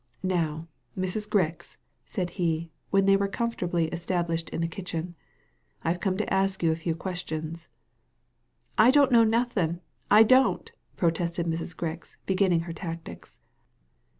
" Now, Mra Grix," said he, when they were comfort ably established in the kitchen, ''I've come to ask you a few questions." "I don't know nothin', I don't," protested Mrs. Grix, beginning her tactics.